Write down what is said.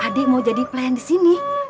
adik mau jadi pelayan disini